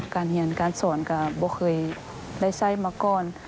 การเฮียนการสอนก็ไม่เคยได้ใช้มาก่อน